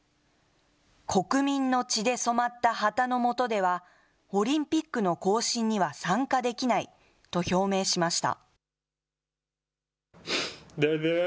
国民の血で染まった旗のもとでは、オリンピックの行進には参加できないと表明しました。